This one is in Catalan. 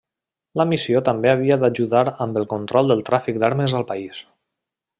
La missió també havia d'ajudar amb el control del tràfic d'armes al país.